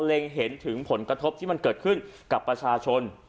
เห็นถึงผลกระทบที่มันเกิดขึ้นกับประชาชน